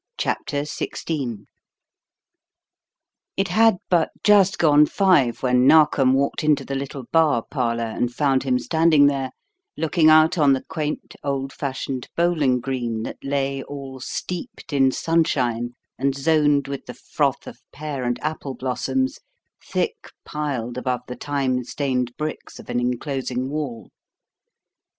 CHAPTER XVI It had but just gone five when Narkom walked into the little bar parlour and found him standing there, looking out on the quaint, old fashioned bowling green that lay all steeped in sunshine and zoned with the froth of pear and apple blossoms thick piled above the time stained bricks of an enclosing wall.